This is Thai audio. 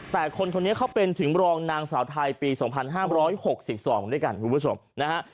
แต่คนคนนี้เขาเป็นถึงรองนางสาวไทยปี๒๕๖๒ด้วยกันคุณผู้ชมนะฮะ